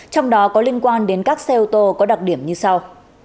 trong đó có liên quan đến các xe ô tô có đặc điểm như sau